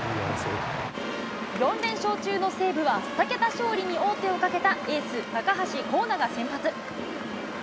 ４連勝中の西武は、２桁勝利に王手をかけたエース、高橋光成が先発。